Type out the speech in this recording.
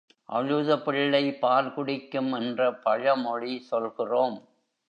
அழுத பிள்ளை பால் குடிக்கும் என்ற பழமொழி சொல்கிறோம்.